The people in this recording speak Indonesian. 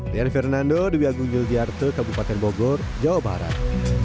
dian fernando dewi agung yudhiyarto kabupaten bogor jawa barat